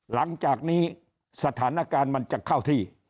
หลังจากนี้สถานการณ์มันจะเข้าที่